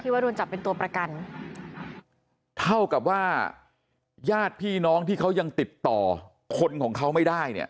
ว่าโดนจับเป็นตัวประกันเท่ากับว่าญาติพี่น้องที่เขายังติดต่อคนของเขาไม่ได้เนี่ย